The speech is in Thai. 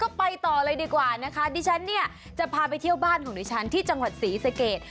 ก็ไปต่อเลยดีกว่านะคะดิฉันเนี่ยจะพาไปเที่ยวบ้านของดิฉันที่จังหวัดศรีสเกต